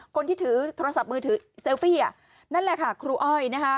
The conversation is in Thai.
คนที่ถือโทรศัพท์มือถือเซลฟี่นั่นแหละค่ะครูอ้อยนะคะ